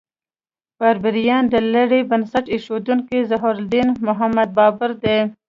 بابریان: د لړۍ بنسټ ایښودونکی ظهیرالدین محمد بابر دی.